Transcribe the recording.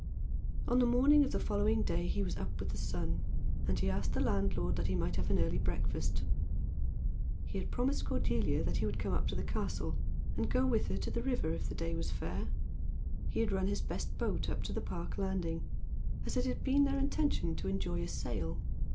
On the morning of the following day he was up with the sun, and he asked of the landlord that he might have an early breakfast. He had promised Cordelia that he would come up to the Castle, and go with her to the river if the day was fair. He had run his best boat up to the Park landing, as it had been their intention to enjoy a sail.